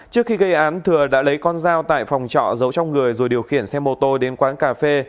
trước khi gây án thừa đã lấy con dao tại phòng trọ giấu trong người rồi điều khiển xe mô tô đến quán cà phê